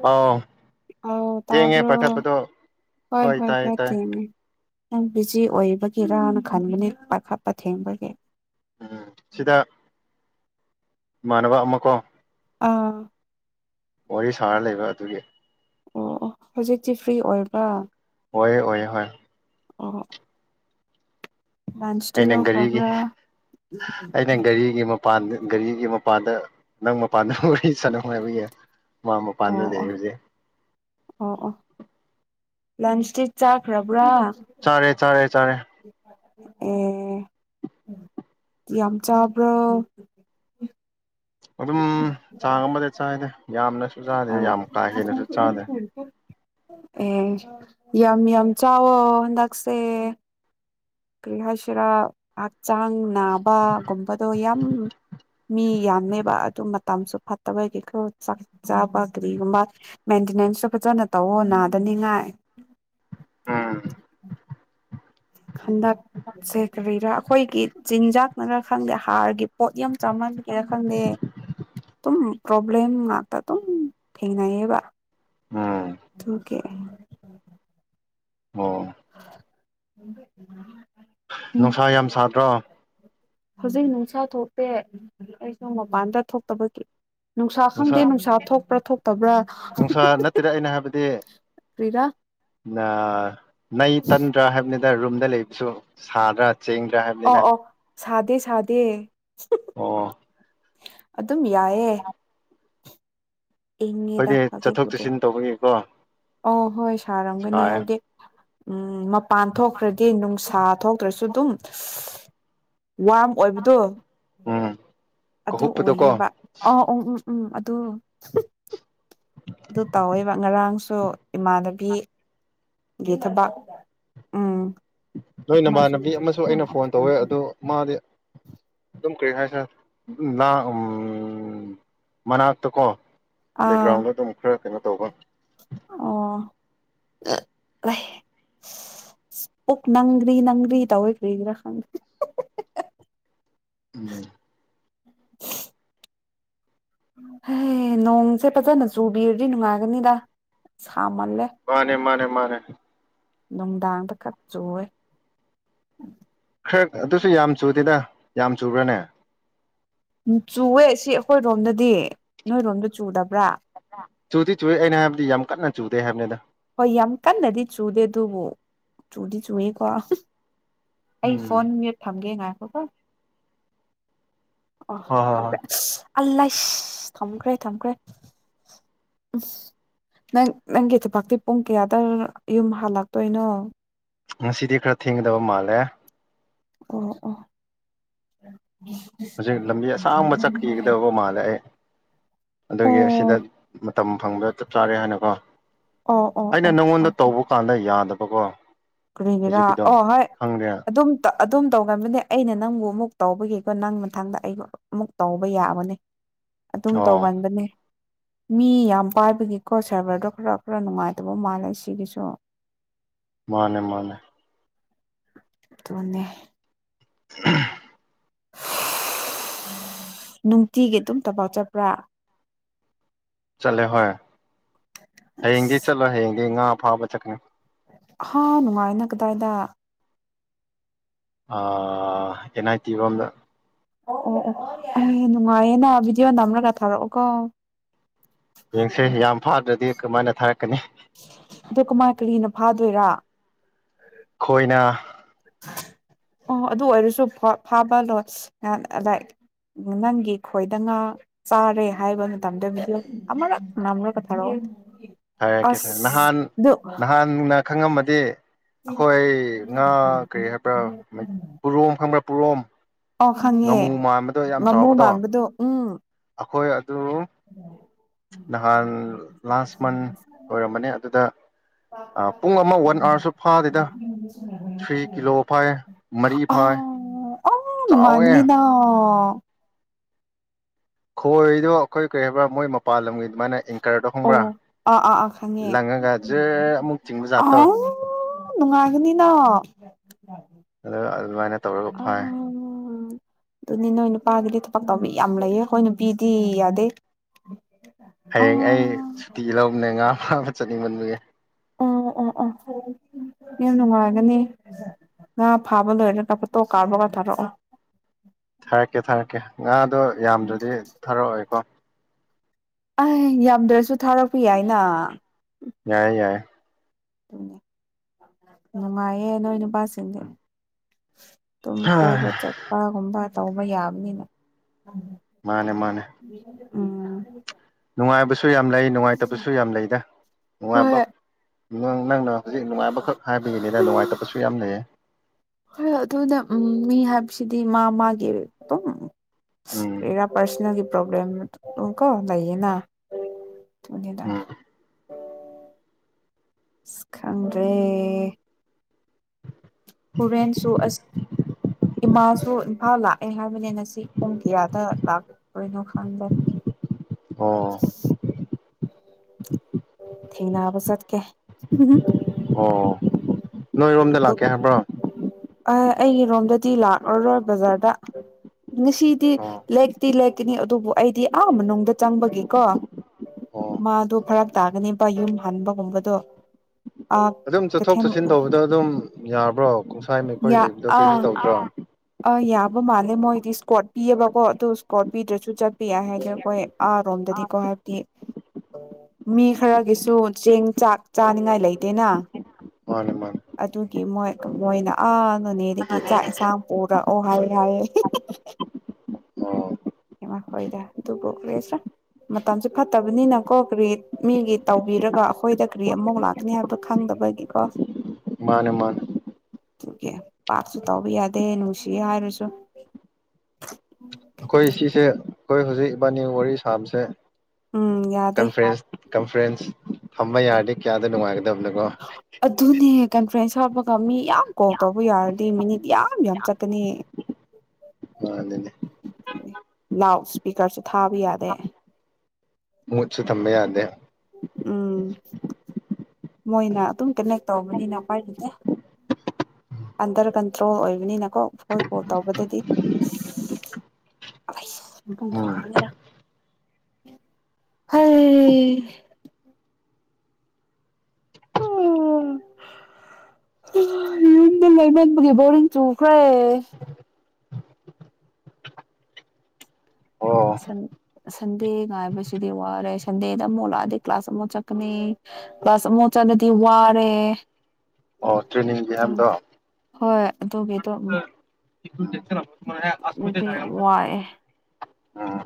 ꯑꯥꯎ ꯑ ꯊꯦꯡꯉꯦ ꯇꯥꯕꯔꯣ ꯄꯥꯏꯈꯠꯄꯗꯣ ꯍꯣꯏ ꯍꯣꯏ ꯇꯥꯏ ꯇꯥꯏ ꯀꯇꯅꯤ ꯅꯪ ꯕꯤꯖꯤ ꯑꯣꯏꯕꯒꯤꯔꯅ ꯈꯟꯕꯅꯦ ꯄꯥꯏꯈꯠꯄ ꯊꯦꯡꯕꯒꯤ ꯎꯝ ꯁꯤꯗ ꯏꯃꯅꯕ ꯑꯃꯃꯀꯣ ꯑꯥ ꯋꯥꯔꯤ ꯁꯥꯔ ꯂꯩꯕ ꯑꯗꯨꯒꯤ ꯑꯣ ꯑꯣ ꯍꯧꯖꯤꯛꯇꯤ ꯐ꯭ꯔꯤ ꯑꯣꯏꯕ꯭ꯔꯥ ꯑꯣꯏꯌꯦ ꯑꯣꯏꯌꯦ ꯍꯣꯏ ꯑꯣ ꯂꯟꯁꯇꯤ ꯑꯩꯅ ꯒꯥꯔꯤꯒꯤ ꯂꯧꯈ꯭ꯔꯕ꯭ꯔꯥ ꯑꯩꯅ ꯒꯥꯔꯤꯒꯤ ꯃꯄꯥꯟꯗ ꯒꯥꯔꯤꯒꯤ ꯃꯄꯥꯟꯗ ꯅꯪ ꯃꯄꯥꯟꯗ ꯋꯥꯔꯤ ꯁꯥꯟꯅꯧ ꯍꯥꯏꯕꯒꯤ ꯃꯥ ꯃꯄꯥꯟꯗ ꯑꯣ ꯂꯩ ꯑꯣ ꯍꯧꯖꯤꯛ ꯑꯣ ꯑꯣ ꯂꯟꯁꯇꯤ ꯆꯥꯈ꯭ꯔꯕ꯭ꯔꯥ ꯆꯔꯦ ꯆꯔꯦ ꯆꯔꯦ ꯑ ꯌꯥꯝꯆꯥꯕ꯭ꯔ ꯑꯗꯨꯝ ꯆꯥꯡ ꯑꯃꯗ ꯆꯥꯏꯗ ꯌꯥꯝꯅꯁꯨ ꯆꯥꯗꯦ ꯑꯥ ꯌꯥꯝ ꯀꯥ ꯍꯦꯟꯅꯁꯨ ꯆꯥꯗꯦ ꯑꯦ ꯌꯥꯝ ꯌꯥꯝ ꯆꯥꯎꯋꯣ ꯍꯟꯗꯛꯁꯦ ꯀ꯭ꯔꯤꯍꯁꯤꯔꯥ ꯍꯛꯆꯥꯡ ꯅꯥꯕꯒꯨꯝꯕꯗꯣ ꯌꯥꯝ ꯃꯤ ꯌꯥꯝꯃꯦꯕ ꯑꯗꯨ ꯃꯇꯝꯁꯨ ꯐꯠꯇꯕ ꯀꯩꯀ ꯆꯥꯛ ꯆꯥꯕ ꯀꯔꯤꯒꯨꯝꯕ ꯃꯦꯟꯇꯦꯅꯦꯟꯁꯇ ꯐꯖꯅ ꯇꯧꯋꯣ ꯅꯥꯗꯅꯤꯡꯉꯥꯏ ꯎꯝ ꯍꯟꯗꯛꯁꯦ ꯀꯔꯤꯔꯥ ꯑꯩꯈꯣꯏꯒꯤ ꯆꯤꯟꯖꯥꯛꯅꯔ ꯈꯪꯗꯦ ꯍꯥꯔꯒꯤ ꯄꯣꯠ ꯌꯥꯝ ꯆꯥꯃꯟꯕꯒꯤꯔꯥ ꯈꯪꯗꯦ ꯑꯗꯨꯝ ꯄ꯭ꯔꯣꯕ꯭ꯂꯦꯝ ꯉꯥꯛꯇ ꯑꯗꯨꯝ ꯊꯦꯡꯅꯩꯌꯦꯕ ꯎꯝ ꯑꯗꯨꯀꯦ ꯑꯣ [inaudible] [unintelligible] ꯅꯨꯡꯁꯥ ꯌꯥꯝ ꯁꯥꯗ꯭ꯔꯣ ꯍꯧꯖꯤꯛ ꯅꯨꯡꯁꯥ ꯊꯣꯛꯇꯦ ꯑꯩꯁꯨ ꯃꯄꯥꯟꯗ ꯊꯣꯛꯇꯕꯒꯤ ꯅꯨꯡꯁꯥ ꯈꯪꯗꯦ ꯅꯨꯡꯁꯥ ꯊꯣꯛꯄ꯭ꯔꯥ ꯊꯣꯛꯇꯕ꯭ꯔꯥ ꯇꯦꯗ ꯑꯩꯅ ꯍꯥꯏꯕꯗꯤ ꯀ꯭ꯔꯤꯔ ꯅ ꯅꯩ ꯇꯟꯗ꯭ꯔꯥ ꯍꯥꯏꯕꯅꯤꯗ ꯔꯨꯝꯗ ꯂꯩꯕꯁꯨ ꯁꯥꯗ꯭ꯔꯥ ꯆꯦꯡꯗ꯭ꯔꯥ ꯍꯥꯏꯞ ꯑꯣ ꯑꯣ ꯁꯥꯗꯦ ꯁꯥꯗꯦ ꯑꯣ ꯑꯗꯨꯝ ꯌꯥꯏꯌꯦ ꯏꯡꯉꯤꯗ ꯑꯩꯈꯣꯏꯗꯤ ꯆꯠꯊꯣꯛ ꯍꯧꯖꯤꯛꯄꯨꯗꯤ ꯆꯠꯁꯤꯟ ꯇꯧꯕꯒꯤꯀꯣ ꯑꯣ ꯍꯣꯏ ꯁꯥꯔꯝꯒꯅꯤ ꯁꯥꯏ ꯍꯥꯏꯕꯗꯤ ꯎꯝ ꯃꯄꯥꯟ ꯊꯣꯛꯈ꯭ꯔꯥ ꯀꯦ ꯅꯨꯡꯁꯥ ꯊꯣꯛꯇ꯭ꯔꯥꯁꯨ ꯑꯗꯨꯝ ꯋꯥꯝ ꯑꯣꯏꯕꯗꯣ ꯎꯝ ꯑꯗꯨ ꯀꯍꯨꯞꯄꯗꯣꯀꯣ ꯑꯣꯏꯌꯦꯕ ꯑꯥ ꯎꯝ ꯎꯝ ꯎꯝ ꯑꯗꯨ ꯑꯗꯨ ꯇꯧꯋꯦꯕ ꯉꯔꯥꯡꯁꯨ ꯏꯃꯥꯟꯅꯕꯤ ꯒꯤ ꯊꯕꯛ ꯎꯝ ꯅꯣꯏ ꯑꯥ ꯅꯃꯥꯟꯅꯕꯤ ꯑꯃꯁꯨ ꯑꯩꯅ ꯐꯣꯟ ꯇꯧꯋꯦ ꯑꯗꯨ ꯃꯥꯗꯤ ꯑꯗꯨꯝ ꯀ꯭ꯔꯤ ꯍꯥꯏꯁꯤꯔ ꯑꯗꯨꯝ ꯂꯥꯡ ꯎꯝ ꯃꯅꯥꯛꯇꯥ ꯀꯣ ꯕꯦꯛꯒ꯭ꯔꯥꯎꯟꯗ ꯑꯗꯨꯝ ꯈꯔ ꯀꯩꯅꯣ ꯇꯧꯕ ꯑꯣ [unintelligible] ꯑꯣꯛ ꯅꯪꯗꯔꯤ ꯅꯪꯗꯔꯤ ꯇꯧꯋꯦ ꯀ꯭ꯔꯤꯒꯤꯔ ꯈꯪꯗꯦ ꯎꯝ ꯍꯦ ꯅꯣꯡꯁꯦ ꯐꯖꯅ ꯆꯨꯕꯤꯔꯗꯤ ꯅꯨꯡꯉꯥꯏꯒꯅꯤꯗ ꯁꯥꯃꯜꯂꯦ ꯃꯥꯅꯦ ꯃꯥꯅꯦ ꯃꯥꯅꯦ ꯅꯨꯡꯗꯥꯡꯗ ꯈꯛ ꯆꯨꯋꯦ ꯈꯔ ꯑꯗꯨꯁꯨ ꯌꯥꯝ ꯆꯨꯗꯦꯗ ꯌꯥꯝ ꯆꯨꯕ꯭ꯔꯅꯦ ꯎꯝ ꯆꯨꯋꯦ ꯁꯤ ꯑꯩꯈꯣꯏꯔꯣꯝꯗꯗꯤ ꯅꯣꯏꯔꯣꯝꯗ ꯆꯨꯗꯕ꯭ꯔꯥ [inaudible] ꯆꯨꯗꯤ ꯆꯨꯏ ꯑꯩꯅ ꯍꯥꯏꯕꯗꯤ ꯌꯥꯝ ꯀꯟꯅ ꯆꯨꯗꯦ ꯍꯥꯏꯕꯅꯤꯗ ꯍꯣꯏ ꯌꯥꯝ ꯀꯟꯅꯗꯤ ꯆꯨꯗꯦ ꯑꯗꯨꯕꯨ ꯆꯨꯗꯤ ꯆꯨꯋꯦꯀꯣ ꯑꯩ ꯎꯝ ꯐꯣꯟ ꯃꯤꯌꯨꯠ ꯊꯝꯒꯦ ꯉꯥꯏꯈꯣꯀꯣ ꯑꯣ ꯍꯣꯏ ꯍꯣꯏ ꯍꯣꯏ ꯊꯝꯈ꯭ꯔꯦ [unintelligible] ꯊꯝꯈ꯭ꯔꯦ ꯊꯝꯈ꯭ꯔꯦ [inaudible] ꯅꯪ ꯅꯪꯒꯤ ꯊꯄꯥꯛꯇꯤ ꯄꯨꯡ ꯀꯌꯥꯗ ꯌꯨꯝ ꯍꯜꯂꯛꯇꯣꯏꯅꯣ ꯉꯁꯤꯗꯤ ꯈꯔ ꯊꯦꯡꯒꯗꯕ ꯃꯥꯜꯂꯦ ꯑꯣ ꯑꯣ ꯍꯨꯖꯤꯛ ꯑꯣ ꯂꯝꯕꯤ ꯑꯁꯥꯡꯕ ꯆꯠꯈꯤꯒꯗꯕ ꯃꯥꯜꯂꯦ ꯑꯩ ꯑꯗꯨꯒꯤ ꯁꯤꯗ ꯃꯇꯝ ꯐꯪꯕ ꯆꯞ ꯆꯥꯔꯦ ꯍꯥꯏꯅꯀꯣ ꯑꯣ ꯑꯣ ꯑꯩꯅ ꯑꯣ ꯅꯪꯉꯣꯟꯗ ꯑꯣ ꯇꯧꯕ ꯀꯥꯟꯗ ꯌꯥꯗꯕꯀꯣ ꯀꯔꯤꯒꯤꯔꯥ ꯍꯧꯖꯤꯛꯀꯤꯗꯣ ꯑꯣ ꯍꯣꯏ ꯈꯪꯗꯦ ꯑꯗꯨꯝ ꯑꯗꯨꯝ ꯇꯧꯒꯟꯕꯅꯦ ꯑꯩꯅ ꯅꯪꯕꯨ ꯑꯃꯨꯛ ꯇꯧꯕꯒꯤꯀꯣ ꯅꯪ ꯃꯊꯪꯗ ꯑꯩꯕꯨ ꯑꯃꯨꯛ ꯇꯧꯕ ꯌꯥꯕꯅꯦ ꯑꯗꯨꯝ ꯑꯣ ꯇꯧꯒꯟꯕꯅꯦ ꯃꯤ ꯌꯥꯝ ꯄꯥꯏꯕꯒꯤꯀꯣ ꯁꯔꯚꯔꯗꯣ ꯈꯔ ꯈꯔ ꯅꯨꯡꯉꯥꯏꯇꯕ ꯃꯥꯜꯂꯦ ꯁꯤꯒꯤꯁꯨ ꯃꯥꯅꯦ ꯃꯥꯅꯦ ꯇꯨꯅꯦ ꯎꯝ ꯅꯨꯡꯇꯤꯒꯤ ꯑꯗꯨꯝ ꯇꯕꯥꯎ ꯆꯠꯄ꯭ꯔꯥ ꯆꯠꯂꯦ ꯍꯣꯏ ꯍꯌꯦꯡꯗꯤ ꯑꯁ ꯆꯠꯂꯣ ꯍꯌꯦꯡꯗꯤ ꯉꯥ ꯐꯥꯕ ꯆꯠꯀꯅꯤ ꯑꯍꯥ ꯅꯨꯡꯉꯥꯏꯅ ꯀꯗꯥꯏꯗ ꯑꯥ ꯑꯦꯟ ꯑꯥꯏ ꯇꯤ ꯔꯣꯝꯗ ꯑꯣ ꯑꯣ ꯑꯦ ꯅꯨꯡꯉꯥꯏꯌꯦ ꯅ ꯕꯤꯗꯤꯑꯣ ꯅꯝꯅꯒ ꯊꯥꯔꯛꯑꯣꯀꯣ ꯌꯦꯡꯁꯦ ꯌꯥꯝ ꯐꯥꯗ꯭ꯔꯗꯤ ꯀꯃꯥꯏꯅ ꯊꯥꯔꯛꯀꯅꯤ ꯑꯗꯣ ꯀꯃꯥꯏ ꯀꯔꯤꯅ ꯐꯥꯗꯣꯏꯔꯥ ꯈꯣꯏꯅ ꯑꯣ ꯑꯗꯨ ꯑꯣꯏꯔꯁꯨ ꯐꯥꯕ ꯂꯣ ꯂꯥꯏ ꯅꯪꯒꯤ ꯈꯣꯏꯗꯅ ꯆꯥꯔꯦ ꯍꯥꯏꯕ ꯃꯇꯝꯗ ꯑꯃꯔꯛ ꯅꯝꯔꯒ ꯀꯊꯔꯛꯑꯣ ꯍꯥꯏꯔꯛꯀꯦ ꯊꯔ ꯅꯍꯥꯟ ꯅꯍꯥꯟꯅ ꯈꯪꯉꯝꯃꯗꯤ ꯑꯩꯈꯣꯏ ꯉꯥ ꯀꯔꯤ ꯍꯥꯏꯕ꯭ꯔꯥ ꯄꯨꯣꯔꯣꯝ ꯈꯪꯕ꯭ꯔꯥ ꯄꯨꯔꯣꯝ ꯑꯣ ꯈꯪꯉꯦ ꯉꯥꯃꯨ ꯃꯥꯟꯕꯗꯣ ꯌꯥꯝ ꯉꯥꯃꯨ ꯆꯥꯎꯕꯗꯣ ꯃꯥꯟꯕꯗꯣ ꯎꯝ ꯑꯩꯈꯣꯏ ꯑꯗꯨ ꯅꯍꯥꯟ ꯂꯥꯁ ꯃꯟ ꯑꯣꯏꯔꯝꯕꯅꯦ ꯑꯗꯨꯗ ꯄꯨꯡ ꯑꯃ ꯋꯥꯟ ꯑꯥꯋꯥꯔꯁꯨ ꯐꯥꯗꯦꯗ ꯊ꯭ꯔꯤ ꯀꯤꯂꯣ ꯐꯥꯏ ꯃꯔꯤ ꯐꯥꯏ ꯑ ꯆꯥꯎꯋꯦ ꯅꯨꯡꯉꯥꯏꯒꯅꯤꯗ ꯈꯣꯏꯗꯣ ꯑꯩꯈꯣꯏ ꯀꯔꯤ ꯍꯥꯏꯕ꯭ꯔꯥ ꯃꯣꯏ ꯃꯄꯥꯟ ꯂꯝꯒꯤ ꯑꯗꯨꯃꯥꯏꯅ ꯀꯔꯗꯣ ꯑꯣ ꯈꯪꯕ꯭ꯔꯥ ꯑꯥ ꯑꯥ ꯑꯥ ꯈꯪꯉꯦ ꯂꯪꯉꯒ ꯖꯔ ꯑꯃꯨꯛ ꯆꯤꯡꯕꯖꯥꯠꯇꯣ ꯑꯥꯎ ꯅꯨꯡꯉꯥꯏꯒꯅꯤꯅ ꯑꯗ ꯑꯗꯨ ꯃꯥꯏꯅ [unintelligible] ꯑꯗꯨꯅꯤ ꯅꯣꯏ ꯅꯨꯄꯥꯒꯤꯗꯤ ꯊꯕꯛ ꯇꯧꯕꯩ ꯌꯥꯝ ꯂꯩꯌꯦ ꯍꯣꯏ ꯅꯨꯄꯤꯗꯤ ꯌꯥꯗꯦ ꯑ ꯍꯌꯦꯡ ꯑꯩ ꯁꯨꯇꯤ ꯂꯧꯕꯅꯦ ꯉꯥ ꯐꯥꯕ ꯆꯠꯅꯤꯡꯃꯟꯕꯒꯤ ꯑꯣ ꯑꯣ ꯑꯣ ꯌꯥꯝ ꯅꯨꯡꯉꯥꯏꯒꯅꯤ ꯉꯥ ꯐꯥꯕ ꯂꯣꯏꯔꯒꯥ ꯐꯣꯠꯇꯣ ꯀꯥꯔꯒ ꯊꯥꯔꯛꯑꯣ ꯊꯥꯔꯛꯀꯦ ꯊꯥꯔꯛꯀꯦ ꯉꯥꯗꯣ ꯌꯥꯝꯗ꯭ꯔꯗꯤ ꯊꯥꯔꯛꯑꯣꯏꯀꯣ ꯑꯩ ꯌꯥꯝꯗ꯭ꯔꯁꯨ ꯊꯥꯔꯛꯄ ꯌꯥꯏꯅ ꯌꯥꯏꯌꯦ ꯌꯥꯏꯌꯦ ꯎꯝ ꯅꯨꯡꯉꯥꯏꯌꯦ ꯅꯣꯏ ꯅꯨꯄꯥꯁꯤꯡꯗꯤ ꯇꯨꯝ ꯀꯣꯏꯕ ꯆꯠꯄꯒꯨꯝꯕ ꯇꯧꯕ ꯌꯥꯕꯅꯤꯅ ꯃꯥꯅꯦ ꯃꯥꯅꯦ ꯎꯝ ꯅꯨꯡꯉꯥꯏꯕꯁꯨ ꯌꯥꯝ ꯂꯩ ꯅꯨꯡꯉꯥꯏꯇꯕꯁꯨ ꯌꯥꯝ ꯂꯩꯗ ꯍꯣꯏ ꯅꯨꯡꯉꯥꯏꯕ ꯅꯪꯅ ꯍꯧꯖꯤꯛ ꯅꯨꯡꯉꯥꯏꯕꯈꯛ ꯍꯥꯏꯕꯒꯤꯅꯤꯗ ꯅꯨꯡꯉꯥꯏꯇꯕꯁꯨ ꯌꯥꯝ ꯂꯩꯌꯦ ꯍꯣꯏ ꯑꯗꯨꯅ ꯎꯝ ꯃꯤ ꯍꯥꯏꯕꯁꯤꯗꯤ ꯃꯥ ꯃꯥꯒꯤ ꯑꯗꯨꯝ ꯎꯝ ꯀꯔꯤꯔ ꯄꯔꯁꯅꯦꯜꯒꯤ ꯄ꯭ꯔꯣꯕ꯭ꯂꯦꯝꯀꯣ ꯂꯩꯌꯦꯅ ꯑꯗꯨꯅꯦꯗ ꯎꯝ ꯈꯪꯗ꯭ꯔꯦ ꯍꯨꯔꯦꯟꯁꯨ ꯑꯁ ꯏꯃꯥꯁꯨ ꯏꯝꯐꯥꯜ ꯂꯥꯛꯑꯦ ꯍꯥꯏꯕꯅꯦ ꯉꯁꯤ ꯄꯨꯡ ꯀꯌꯥꯗ ꯂꯥꯛ ꯀꯩꯅꯣ ꯈꯪꯗꯦ ꯑꯣ ꯊꯦꯡꯅꯕ ꯆꯠꯀꯦ ꯑꯣ ꯅꯣꯏꯔꯣꯝꯗ ꯂꯥꯛꯀꯦ ꯍꯥꯏꯕ꯭ꯔꯣ ꯑꯩ ꯑꯩꯒꯤ ꯔꯣꯝꯗꯗꯤ ꯂꯥꯛꯂꯔꯣꯏ ꯕꯖꯥꯔꯗ ꯉꯁꯤꯗꯤ ꯑꯣ ꯂꯦꯛꯇꯤ ꯂꯦꯛꯀꯅꯤ ꯑꯗꯨꯕꯨ ꯑꯩꯗꯤ ꯑꯥ ꯃꯅꯨꯡꯗ ꯆꯪꯕꯒꯤꯀꯣ ꯑꯣ ꯃꯥꯗꯨ ꯐꯔꯛ ꯇꯥꯒꯅꯦꯕ ꯌꯨꯝ ꯍꯟꯕꯒꯨꯝꯕꯗꯣ ꯑꯥ ꯑꯗꯨꯝ ꯆꯠꯊꯣꯛ ꯀꯩꯊꯦꯜ ꯆꯠꯁꯤꯟ ꯇꯧꯕꯗ ꯑꯗꯨꯝ ꯌꯥꯕ꯭ꯔꯣ ꯀꯨꯡꯁꯥꯏ ꯅꯈꯣꯏ ꯂꯩꯕꯗꯣ ꯀꯔꯤꯁꯨ ꯇꯧꯗ꯭ꯔꯣ ꯑ ꯌꯥꯕ ꯃꯥꯜꯂꯦ ꯃꯣꯏꯗꯤ ꯏꯁꯀꯣꯔꯠ ꯄꯤꯑ‌ꯦꯕꯀꯣ ꯑꯗꯨ ꯏꯁ꯭ꯀꯣꯔꯠ ꯄꯤꯗ꯭ꯔꯁꯨ ꯆꯠꯄ ꯌꯥꯏ ꯍꯥꯏꯅ ꯃ‌ꯣꯏ ꯑꯥꯔꯣꯝꯗꯗꯤꯀꯣ ꯍꯥꯏꯕꯗꯤ ꯃꯤ ꯈꯔꯒꯤꯁꯨ ꯆꯦꯡ ꯆꯥꯛ ꯆꯥꯅꯤꯡꯉꯥꯏ ꯂꯩꯇꯦꯅ ꯃꯥꯅꯦ ꯃꯥꯅꯦ ꯑꯗꯨꯒꯤ ꯃꯣꯏ ꯃꯣꯏꯅ ꯑꯥ ꯅꯣꯅꯦꯗꯒꯤ ꯆꯥꯛ ꯏꯟꯁꯥꯡ ꯄꯨꯔꯛꯑꯣ ꯍꯥꯏ ꯍꯥꯏꯌꯦ ꯑꯣ ꯏꯃꯥ ꯈꯣꯏꯗ ꯑꯗꯨꯕꯨ [unintelligible] ꯃꯇꯝꯁꯨ ꯐꯠꯇꯕꯅꯤꯅꯀꯣ ꯀꯔꯤꯠ ꯃꯤꯒꯤ ꯇꯧꯕꯤꯔꯒ ꯑꯩꯈꯣꯏꯗ ꯀꯔꯤ ꯑꯃꯨꯛ ꯂꯥꯛꯀꯅꯤ ꯍꯥꯏꯕꯗꯣ ꯈꯪꯗꯕꯒꯤꯀꯣ ꯃꯥꯅꯦ ꯃꯥꯅꯦ ꯑꯗꯨꯒꯤ ꯄꯥꯛꯁꯨ ꯇꯧꯕ ꯌꯥꯗꯦ ꯅꯨꯡꯁꯤ ꯍꯥꯏꯔꯁꯨ ꯑꯩꯈꯣꯏ ꯁꯤꯁꯦ ꯑꯩꯈꯣꯏ ꯍꯧꯖꯤꯛ ꯏꯕꯥꯅꯤ ꯋꯥꯔꯤ ꯁꯥꯕꯁꯦ ꯎꯝ ꯌꯥꯗꯦ ꯀꯟꯐ꯭ꯔꯦꯟꯁ ꯀꯟꯐ꯭ꯔꯦꯟꯁ ꯊꯝꯕ ꯌꯥꯔꯗꯤ ꯀꯌꯥꯗ ꯅꯨꯡꯉꯥꯏꯒꯗꯕꯅꯣꯀꯣ ꯑꯗꯨꯅꯦ ꯀꯟꯐ꯭ꯔꯦꯟꯁ ꯍꯥꯞꯄꯒ ꯃꯤ ꯌꯥꯝ ꯀꯣꯜ ꯇꯧꯕ ꯌꯥꯔꯗꯤ ꯃꯤꯅꯤꯠ ꯌꯥꯝ ꯌꯥꯝ ꯆꯠꯀꯅꯤ ꯃꯥꯅꯤꯅꯦ ꯑꯗꯨꯅꯤ ꯂꯥꯎꯠ ꯏꯁꯄꯤꯀꯔꯁꯨ ꯊꯥꯕ ꯌꯥꯗꯦ ꯃꯨꯠꯁꯨ ꯊꯝꯕ ꯌꯥꯗꯦ ꯎꯝ ꯃꯣꯏꯅ ꯑꯗꯨꯝ ꯀꯅꯦꯛ ꯇꯧꯕꯅꯤꯅ ꯎꯄꯥꯏ ꯂꯩꯇ‌ꯦ ꯑꯟꯗꯔ ꯀꯟꯇ꯭ꯔꯣꯜ ꯑꯣꯏꯕꯅꯤꯅꯀꯣ ꯈ‌ꯣꯏ ꯀꯣꯜ ꯇꯧꯕꯗꯗꯤ ꯑꯩꯆ [unintelligible] ꯎꯝ ꯆꯥꯒ‌ꯦꯔꯥ ꯍꯩ [unintelligible] ꯌꯨꯝꯗ ꯂꯩꯃꯟꯕꯒꯤ ꯕꯣꯔꯤꯡ ꯆꯨꯈ꯭ꯔꯦ ꯑꯣ ꯁꯟ ꯁꯟꯗꯦ ꯉꯥꯏꯕꯁꯤꯗꯤ ꯋꯥꯔꯦ ꯁꯟꯗꯦꯗ ꯑꯃꯨꯛ ꯂꯥꯛꯑꯗꯤ ꯀ꯭ꯂꯥꯁ ꯑꯃꯨꯛ ꯆꯠꯀꯅꯤ ꯀ꯭ꯂꯥꯁ ꯑꯃꯨꯛ ꯆꯠꯂꯗꯤ ꯋꯥꯔꯦ ꯑꯣ ꯇ꯭ꯔꯦꯅꯤꯡꯒꯤ ꯍꯥꯏꯕꯗꯣ ꯈꯪꯗ‌ꯦ ꯍꯣꯏ ꯑꯗꯨꯒꯤꯗ‌ꯣ ꯎꯝ [unintelligible] ꯋꯥꯏꯑꯦ ꯎꯝ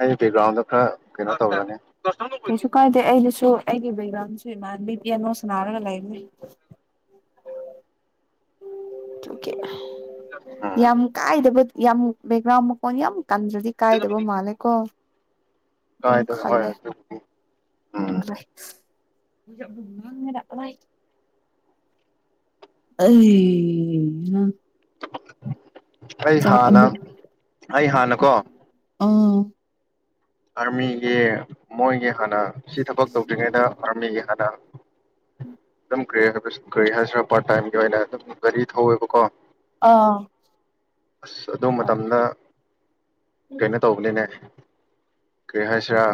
ꯑꯩ ꯕꯦꯛꯒ꯭ꯔꯥꯎꯟꯗ ꯈꯔ ꯀꯩꯅꯣ ꯇꯧꯔꯅꯦ [unintelligible] ꯀꯩꯁꯨ ꯀꯥꯏꯗꯦ ꯑꯩꯗꯁꯨ ꯑꯩꯒꯤ ꯕꯩꯒ꯭ꯔꯥꯎꯟꯁ‌ꯦ ꯏꯃꯥꯟꯕꯤ ꯄꯤꯌꯥꯅꯣ ꯁꯅꯥꯔꯒ ꯂꯩꯕꯅꯤ [unintelligible] ꯎꯝ ꯌꯥꯝ ꯀꯥꯏꯗꯕ ꯌꯥꯝ ꯕꯦꯛꯒ꯭ꯔꯥꯎꯟ ꯃꯈꯣꯟ ꯌꯥꯝ ꯀꯟꯗ꯭ꯔꯗꯤ ꯀꯥꯏꯗꯕ ꯃꯥꯜꯂꯦꯀꯣ ꯗꯨꯝ ꯀꯥꯏꯗ ꯍꯣꯏ ꯈꯜꯂꯦ ꯑꯗꯨꯕꯨꯗꯤ ꯎꯝ [unintelligible] ꯑꯩꯍꯥ ꯑꯩ ꯍꯥꯟꯅ ꯑꯃꯨꯛ ꯑꯩ ꯍꯥꯟꯅꯀꯣ ꯑꯥ ꯑꯥꯔꯃꯤꯒꯤ ꯃꯣꯏꯒꯤ ꯍꯥꯟꯅ ꯁꯤ ꯊꯕꯛ ꯇꯧꯗ꯭ꯔꯤꯉꯩꯗ ꯑꯥꯔꯃꯤꯒꯤ ꯍꯥꯟꯅ ꯑꯗꯨꯝ ꯀꯔꯤ ꯍꯥꯏꯕꯁ ꯀꯔꯤ ꯍꯥꯏꯁꯤꯔꯥ ꯄꯥꯔꯠ ꯇꯥꯏꯝꯒꯤ ꯑꯣꯏꯅ ꯑꯗꯨꯝ ꯒꯥꯔꯤ ꯊꯧꯋꯦꯕꯀꯣ ꯑꯥ ꯑꯁ ꯑꯗꯨ ꯃꯇꯝꯗ ꯀꯩꯅꯣ ꯇꯧꯕꯅꯤꯅꯦ ꯀꯔꯤ ꯑꯣ ꯍꯥꯏꯁꯤꯔꯥ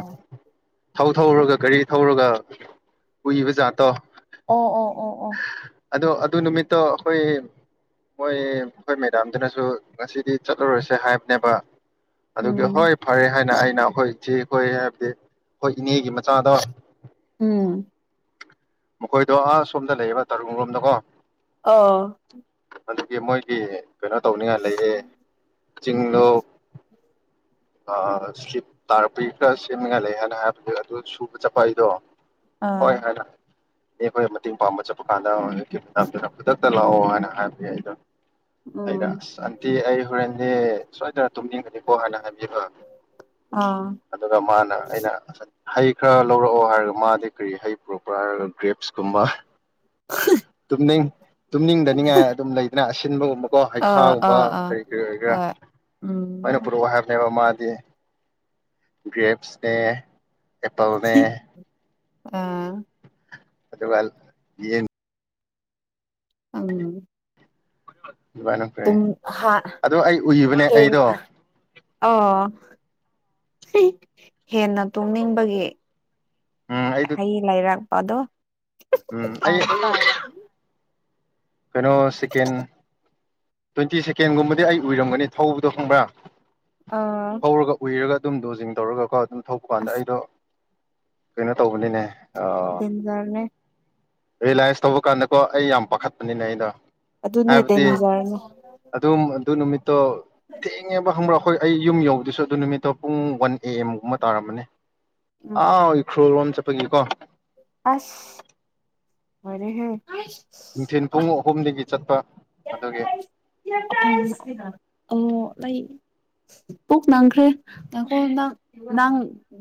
ꯊꯧ ꯊꯧꯔꯒ ꯒꯥꯔꯤ ꯊꯧꯔꯒ ꯎꯏꯕ ꯖꯥꯠꯇꯣ ꯑꯣ ꯑꯣ ꯑꯣ ꯑꯣ ꯑꯗꯣ ꯑꯗꯨ ꯅꯨꯃꯤꯠꯇꯣ ꯑꯈꯣꯏ ꯃꯣꯏ ꯑꯩꯈꯣꯏ ꯃꯦꯗꯥꯝꯗꯨꯅꯁꯨ ꯉꯁꯤꯗꯤ ꯆꯠꯂꯨꯔꯁꯦ ꯍꯥꯏꯕꯅꯦꯕ ꯑꯗꯨꯒꯤ ꯎꯝ ꯍꯣꯏ ꯐꯔꯦ ꯍꯥꯏꯅ ꯑꯩꯅ ꯑꯩꯈꯣꯏ ꯏꯆꯦ ꯈꯣꯏ ꯍꯥꯏꯕꯗꯤ ꯑꯩꯈꯣꯏ ꯏꯅꯦꯒꯤ ꯃ ꯆꯥꯗ ꯃꯈꯣꯏꯗꯣ ꯑꯥꯁꯣꯝꯗ ꯂꯩꯌꯦꯕ ꯇꯔꯨꯡ ꯂꯣꯝꯗꯀꯣ ꯑ ꯑꯗꯨꯒꯤ ꯃꯣꯏꯒꯤ ꯀꯩꯅꯣ ꯇꯧꯅꯤꯡꯉꯥꯏ ꯂꯩꯌꯦ ꯆꯤꯡꯗꯣ ꯑꯥ ꯁꯇ꯭ꯔ꯭ꯤꯞ ꯇꯥꯔꯛꯄꯩ ꯈꯔ ꯁꯦꯝꯅꯤꯉꯥꯏ ꯂꯩ ꯍꯥꯏꯅ ꯍꯥꯏꯕꯅꯦ ꯑꯗꯨ ꯁꯨꯕ ꯆꯠꯄ ꯑꯩꯗꯣ ꯍꯣꯏ ꯑꯥ ꯍꯥꯏꯅ ꯗꯩ ꯑꯩꯈꯣꯏ ꯃꯇꯦꯡ ꯄꯥꯡꯕ ꯆꯠꯄ ꯀꯥꯟꯗ ꯃꯇꯝꯗꯨꯅ ꯈꯨꯗꯛ ꯇ ꯂꯥꯛꯑꯣ ꯍꯥꯏꯅ ꯍꯥꯏꯕꯒꯤ ꯑꯩꯗꯣ ꯑꯩꯅ ꯎꯝ ꯑꯁ ꯑꯟꯇꯤ ꯑꯩ ꯍꯣꯔꯦꯟꯗꯤ ꯁꯣꯏꯗꯅ ꯇꯨꯝꯅꯤꯡꯒꯅꯤꯀꯣ ꯍꯥꯏꯅ ꯍꯥꯏꯕꯅꯦꯕ ꯑꯥ ꯑꯗꯨꯒ ꯃꯥꯅ ꯑꯩꯅ ꯍꯩ ꯈꯔ ꯂꯧꯔꯛꯑꯣ ꯍꯥꯏꯔꯒ ꯃꯥꯗꯤ ꯀꯔꯤ ꯍꯩ ꯄꯣꯔꯛꯄ꯭ꯔꯥ ꯍꯥꯏꯔꯒ ꯒ꯭ꯔꯦꯞꯁꯀꯨꯝꯕ ꯇꯨꯝꯅꯤꯡ ꯇꯨꯝꯅꯤꯡꯗꯅꯤꯡꯉꯥꯏ ꯑꯗꯨꯝ ꯂꯩꯗꯅ ꯑꯁꯤꯟꯕꯒꯨꯝꯕ ꯀꯣ ꯑꯥ ꯍꯩꯈꯥꯒꯨꯝꯕ ꯑꯥ ꯀꯔꯤ ꯀꯔꯤ ꯑꯣꯏꯒꯦꯔꯥ ꯑꯥ ꯍꯣꯏ ꯎꯝ ꯃꯥꯏꯅ ꯄꯨꯔꯛꯑꯣ ꯍꯥꯏꯕꯅꯦꯕ ꯃꯥꯗꯤ ꯒ꯭ꯔꯦꯞꯁꯅꯦ ꯑꯦꯄꯜꯅꯦ ꯑꯥ ꯑꯗꯨꯒꯥꯜ ꯌꯦꯟ ꯑꯝ [unintelligible] ꯈ꯭ꯔꯦ ꯍꯥ ꯑꯗꯣ ꯑꯩ ꯎꯏꯕꯅꯦ ꯍꯦꯟ ꯑꯩꯗꯣ ꯑꯣ ꯍꯦꯟꯅ ꯇꯨꯝꯅꯤꯡꯕꯒꯤ ꯎꯝ ꯑꯩꯗꯣ ꯍꯩ ꯂꯩꯔꯛꯄꯗꯣ ꯎꯝ ꯑꯩ ꯑꯥ [unintelligible] ꯀꯩꯅꯣ ꯁꯦꯀꯦꯟ ꯇ꯭ꯋꯦꯟꯇꯤ ꯁꯦꯀꯦꯟꯒꯨꯝꯕꯗꯤ ꯑꯩ ꯎꯏꯔꯝꯒꯅꯤ ꯊꯧꯕꯗꯣ ꯈꯪꯕ꯭ꯔꯥ ꯑꯥ ꯊꯧꯔꯒ ꯎꯏꯔꯒ ꯑꯗꯨꯝ ꯗꯣꯖꯤꯡ ꯇꯧꯔꯒꯀꯣ ꯑꯗꯨꯝ ꯊꯧꯕꯀꯥꯟꯗ ꯑꯁ ꯑꯩꯗꯣ ꯀꯩꯅꯣ ꯇꯧꯕꯅꯤꯅꯦ ꯑꯣ ꯗꯦꯟꯖꯔꯅꯦ ꯔꯤꯂꯥꯏꯁ ꯇꯧꯕ ꯀꯥꯟꯗꯀꯣ ꯑꯩ ꯌꯥꯝ ꯄꯥꯈꯠꯄꯅꯤꯅꯦ ꯑꯩꯗꯣ ꯑꯗꯨꯅꯦ ꯍꯥꯏꯕꯗꯤ ꯗꯦꯟꯖꯔꯅꯤ ꯑꯗꯨꯝ ꯑꯗꯨ ꯅꯨꯃꯤꯠꯇꯣ ꯊꯦꯡꯉꯦꯕ ꯈꯪꯕ꯭ꯔꯥ ꯑꯩꯈꯣꯏ ꯑꯩ ꯌꯨꯝ ꯌꯧꯕꯗꯁꯨ ꯑꯗꯨ ꯅꯨꯃꯤꯠꯇꯣ ꯄꯨꯡ ꯋꯥꯟ ꯑꯦ ꯑꯦꯝꯒꯨꯝꯕ ꯇꯥꯔꯝꯃꯅꯤ ꯎꯝ ꯑꯥꯎ ꯏꯈ꯭ꯔꯨꯜ ꯂꯣꯝ ꯆꯠꯄꯒꯤꯀꯣ ꯑꯁ ꯂꯣꯏꯔꯦꯍꯦ ꯅꯨꯡꯊꯤꯟ ꯄꯨꯡ ꯑꯍꯨꯝꯗꯒꯤ ꯆꯠꯄ ꯑꯗꯨꯒꯤ [unintelligible] ꯑꯣ ꯂꯩꯥ ꯄꯨꯛ ꯅꯪꯈ꯭ꯔꯦ ꯉꯥꯏꯈꯣ ꯅꯪ ꯅꯪ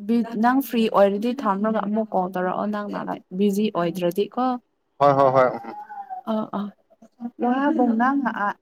ꯕꯤ ꯅꯪ ꯐ꯭ꯔꯤ ꯑꯣꯏꯔꯗꯤ ꯊꯝꯔꯒ ꯑꯃꯨꯛ ꯀꯣꯜ ꯇꯧꯔꯛꯑꯣ ꯅꯪꯅ ꯕꯤꯖꯤ ꯑꯣꯏꯗ꯭ꯔꯗꯤꯀꯣ ꯍꯣꯏ ꯍꯣꯏ ꯍꯣꯏ ꯎꯝ ꯑ ꯑ ꯋꯥꯕꯅꯥ ꯑꯥ